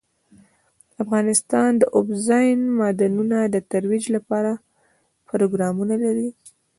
افغانستان د اوبزین معدنونه د ترویج لپاره پروګرامونه لري.